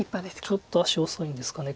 ちょっと足遅いんですかね